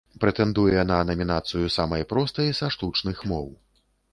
Прэтэндуе на намінацыю самай простай са штучных моў.